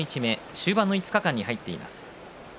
終盤の５日間に入っています。